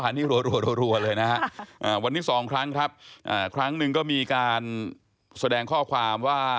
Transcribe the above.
น้อยหน่อยก็ดีค่ะ